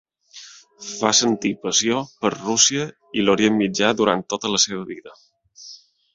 Va sentir passió per Rússia i l'Orient Mitjà durant tota la seva vida.